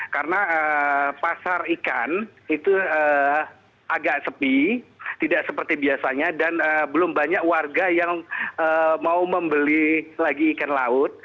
karena pasar ikan itu agak sepi tidak seperti biasanya dan belum banyak warga yang mau membeli lagi ikan laut